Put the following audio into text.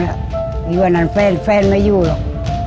นี่วันนั้นแฟนไม่อยู่หรอก